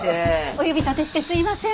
お呼び立てしてすいません。